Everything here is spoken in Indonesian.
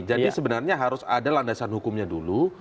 jadi sebenarnya harus ada landasan hukumnya dulu